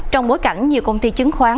trong bối cảnh nhiều công ty chứng khoán